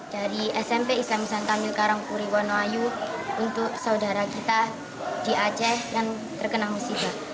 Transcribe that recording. dari smp islamisantamil karangkuri wonoayu untuk saudara kita di aceh yang terkenal musibah